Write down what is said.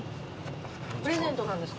プレゼントなんですか？